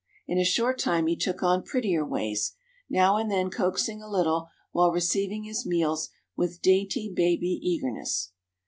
In a short time he took on prettier ways, now and then coaxing a little while receiving his meals with dainty baby eagerness.